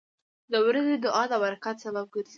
• د ورځې دعا د برکت سبب ګرځي.